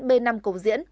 b năm cầu diễn